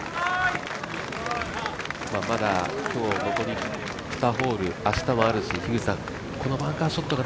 まだ、今日残り２ホール明日もあるし、このバンカーショットが